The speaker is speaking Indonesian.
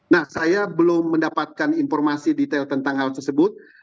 nah saya belum mendapatkan informasi detail tentang hal tersebut